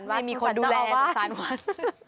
ไม่มีคนดูแลสงสารวัน